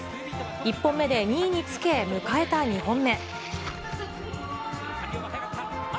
１本目で２位につけ、迎えた２本目。